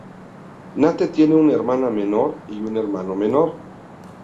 Nate tiene una hermana menor y un hermano menor.